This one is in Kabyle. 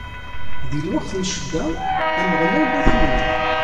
Di lweqt n ccedda, Ameɣlal ad t-imneɛ.